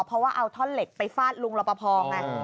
เพราะว่าเอาท่อนเหล็กไปฟาดลุงลอบพอร์ไหม